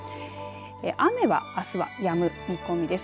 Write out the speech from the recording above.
雨はあすはやむ見込みです。